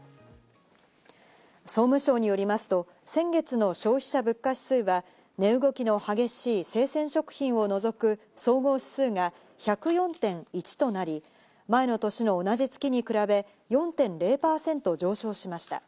総務省によりますと先月の消費者物価指数は、値動きの激しい生鮮食品を除く総合指数が１０４．１となり、前の年の同じ月に比べ４．０％上昇しました。